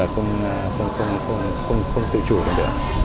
không tự chủ được